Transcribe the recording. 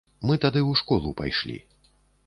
Мы тады ў школу пайшлі.